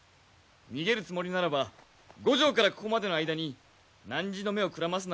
逃げるつもりならば五条からここまでの間になんじの目をくらますなど造作ないことだ。